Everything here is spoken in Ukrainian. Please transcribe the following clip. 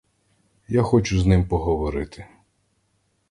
Я хочу з ним поговорити.